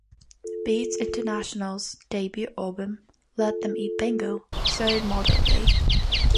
Beats International's debut album, "Let Them Eat Bingo", sold moderately.